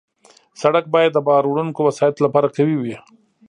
سړک باید د بار وړونکو وسایطو لپاره قوي وي.